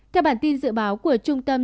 theo bản tin dự báo của trung tâm